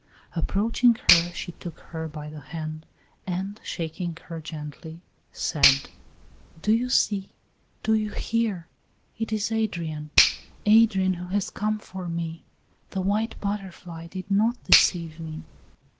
Approaching her she took her by the hand, and, shaking her gently, said: "Do you see? Do you hear? It is Adrian Adrian who has come for me; the white butterfly did not deceive me."